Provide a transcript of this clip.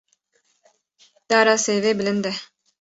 Dara sêvê bilind e.